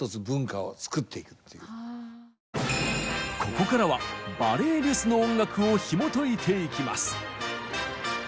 ここからはバレエ・リュスの音楽をひもといていきます！